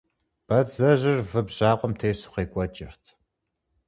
Бадзэжьыр вы бжьакъуэм тесу къекӀуэкӀырт.